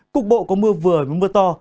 cục bộ có mưa vừa với mưa to